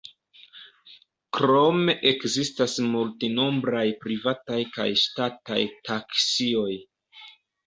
Krome ekzistas multnombraj privataj kaj ŝtataj taksioj.